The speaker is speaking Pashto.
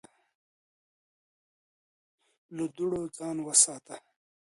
له دوړو ځان وساته